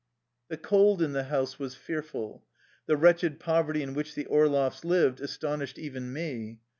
The cold in the house was fearful. The wretched poverty in which the Orloffs lived as tonished even me.